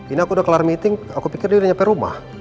ini aku udah kelar meeting aku pikir dia udah nyampe rumah